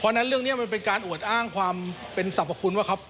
เพราะฉะนั้นเรื่องนี้มันเป็นการอวดอ้างความเป็นสรรพคุณว่าครับ